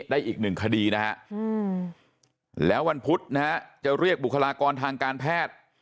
ได้อีกหนึ่งคดีนะฮะแล้ววันพุธนะฮะจะเรียกบุคลากรทางการแพทย์